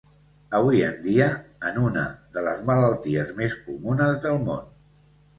Avui en dia en una de les malalties més comunes del món.